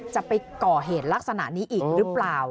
จะไปก่อเหตุลักษณะนี้อีกหรือเปล่า